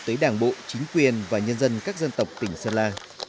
tới đảng bộ chính quyền và nhân dân các dân tộc tỉnh sơn la